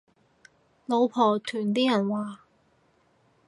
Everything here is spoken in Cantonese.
老婆團啲人話